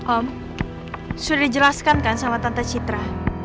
om sudah dijelaskan kan sama tante citra